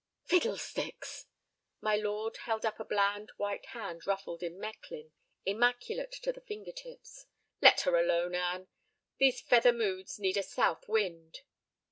"Fiddlesticks!" My lord held up a bland white hand ruffled in Mechlin, immaculate to the finger tips. "Let her alone, Anne. These feather moods need a south wind."